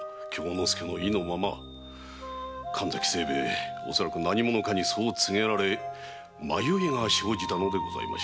神崎清兵衛恐らく何者かにそう告げられ迷いが生じたのでございましょう。